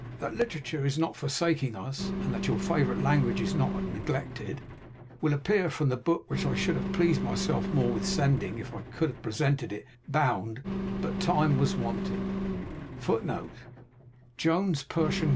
That literature is not totally forsaking us, and that your favourite language is not neglected, will appear from the book, which I should have pleased myself more with sending, if I could have presented it bound: but time was wanting.